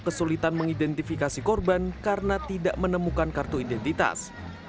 kesulitan mengidentifikasi korban karena tidak menemukan kartu identitas